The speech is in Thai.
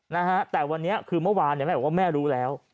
นะฮะแต่วันนี้คือเมื่อวานเนี่ยแม่บอกว่าแม่รู้แล้ว